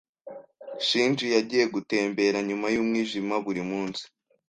Shinji yagiye gutembera nyuma yumwijima burimunsi.